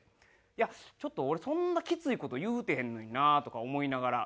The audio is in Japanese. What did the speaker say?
いやちょっと俺そんなきつい事言うてへんのになとか思いながら。